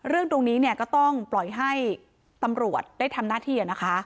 เรื่องนี้ก็ต้องปล่อยให้ตำรวจได้ทำหน้าที่